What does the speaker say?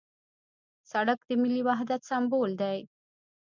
سړک د ملي وحدت سمبول دی.